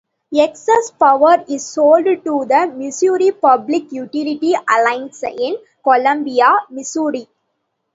Excess power is sold to the Missouri Public Utility Alliance in Columbia, Missouri.